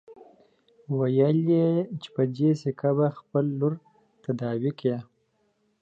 ويل يې چې په دې سيکه به خپله لور تداوي کړي.